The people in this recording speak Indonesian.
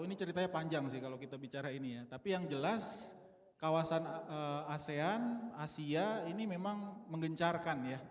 ini ceritanya panjang sih kalau kita bicara ini ya tapi yang jelas kawasan asean asia ini memang menggencarkan ya